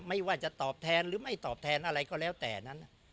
ไม่ว่าจะตอบแทนหรือไม่ตอบแทนอะไรก็แล้วแต่นั้น